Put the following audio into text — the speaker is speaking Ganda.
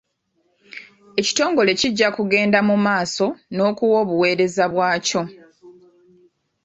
Ekitongole kijja kugenda mu maaso n'okuwa obuweereza bwakyo.